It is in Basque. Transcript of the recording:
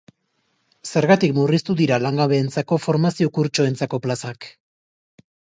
Zergatik murriztu dira langabeentzako formazio-kurtsoentzako plazak?